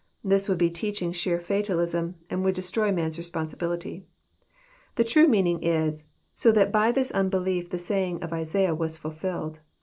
This would be teaching sheer fatalism, and would destroy man's responsibility. The true meaning is, So that by this unbelief the saying of Isaiah was fulfilled."